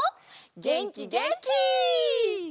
げんきげんき！